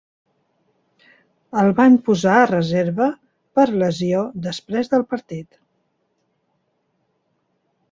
El van posar a reserva per lesió després del partit.